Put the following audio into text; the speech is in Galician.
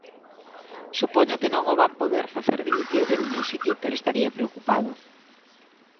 Supoño que non o van poder facer dimitir de ningún sitio pero estaría preocupado.